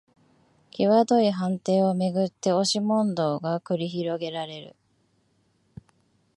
きわどい判定をめぐって押し問答が繰り広げられる